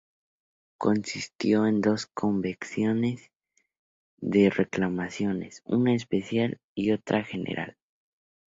Consistió en dos Convenciones de Reclamaciones, una Especial y otra General.